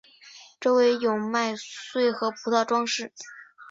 周围有麦穗和葡萄装饰。